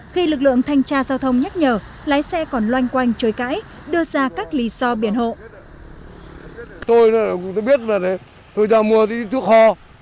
khi lực lượng thanh tra giao thông nhắc nhở lái xe còn loanh quanh trôi cãi đưa ra các lý do biển hộ